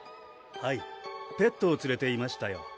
はいペットをつれていましたよ